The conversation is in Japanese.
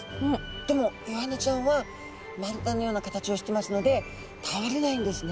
でもイワナちゃんは丸太のような形をしてますので倒れないんですね。